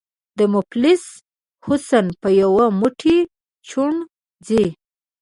” د مفلس حُسن په یو موټی چڼو ځي”